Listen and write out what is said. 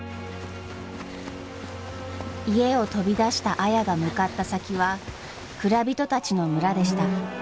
家を飛び出した綾が向かった先は蔵人たちの村でした。